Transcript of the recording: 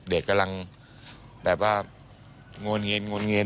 เด็กกำลังเนียน